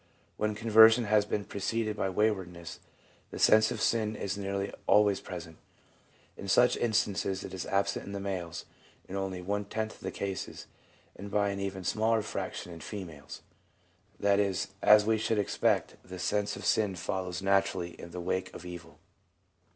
When conversion has been preceded by waywardness, the sense of sin is nearly always present. In such instances it is absent in the males in only one tenth of the cases, and by an even smaller fraction in females. That is, as we should expect, the sense of sin follows naturally in the wake of evil.